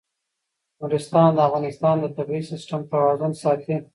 نورستان د افغانستان د طبعي سیسټم توازن ساتي.